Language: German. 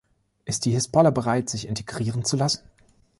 Ist die Hisbollah bereit, sich integrieren zu lassen?